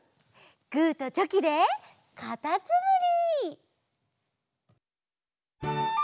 グーとチョキでかたつむり！